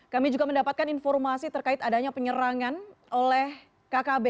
kami juga mendapatkan informasi terkait adanya penyerangan oleh kkb